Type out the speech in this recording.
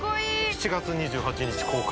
◆７月２８日公開。